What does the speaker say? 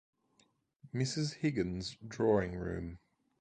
Mrs. Higgins' drawing room.